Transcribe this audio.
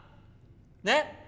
ねっ？